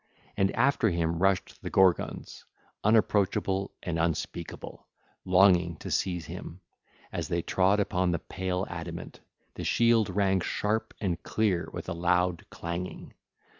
And after him rushed the Gorgons, unapproachable and unspeakable, longing to seize him: as they trod upon the pale adamant, the shield rang sharp and clear with a loud clanging.